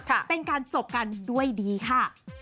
เป็นการจบกันด้วยดีค่ะ